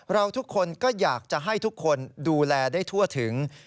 เราทุกคนก็อยากจะให้ทุกคนดูแลได้ทั่วถึง